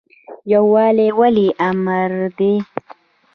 یووالی ولې امر دی؟